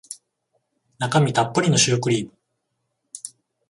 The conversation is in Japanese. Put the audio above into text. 中身たっぷりのシュークリーム